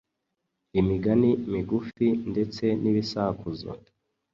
imigani migufi ndetse n’ibisakuzo